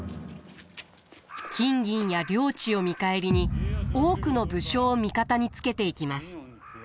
金銀や領地を見返りに多くの武将を味方につけていきます。